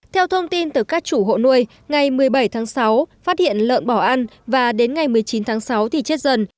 theo thông tin từ các chủ hộ nuôi ngày một mươi bảy tháng sáu phát hiện lợn bỏ ăn và đến ngày một mươi chín tháng sáu thì chết dần